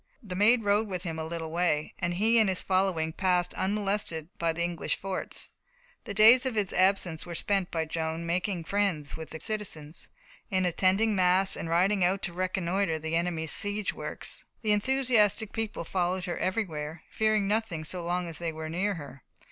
The Maid rode with him a little way, and he and his following passed unmolested by the English forts. The days of his absence were spent by Joan in making friends with the citizens, in attending mass and riding out to reconnoitre the enemy's siege works. The enthusiastic people followed her everywhere, fearing nothing so long as they were near her.